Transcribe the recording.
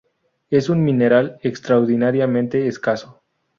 Es un mineral extraordinariamente escaso.